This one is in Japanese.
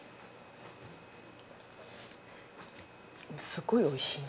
すごいおいしいな。